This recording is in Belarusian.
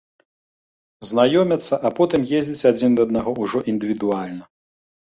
Знаёмяцца, а потым ездзяць адзін да аднаго ўжо індывідуальна.